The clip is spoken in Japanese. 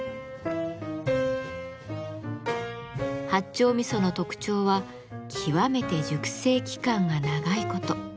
八丁味噌の特徴はきわめて熟成期間が長いこと。